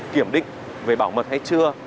kiểm định về bảo mật hay chưa